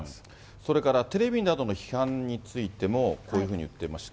それからテレビなどの批判についても、こういうふうに言っていまして。